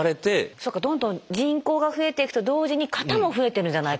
そっかどんどん人口が増えていくと同時に型も増えてるんじゃないか。